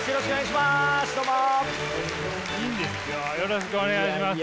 よろしくお願いします。